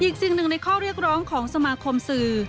อีกสิ่งหนึ่งในข้อเรียกร้องของสมาคมสื่อ